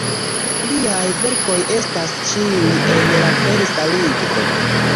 Liaj verkoj estas ĉiuj en la persa lingvo.